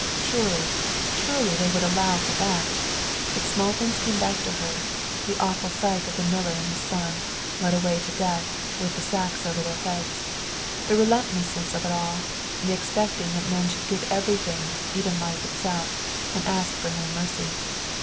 Surely, surely, they would allow for that. But small things came back to her the awful sight of the miller and his son, led away to death, with the sacks over their heads. The relentlessness of it all, the expecting that men should give everything, even life itself, and ask for no mercy.